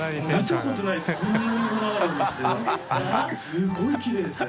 すごいきれいですね。